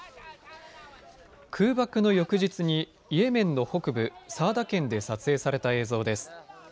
空爆の翌日にイエメンの北部、サアダ県で撮影された映像です。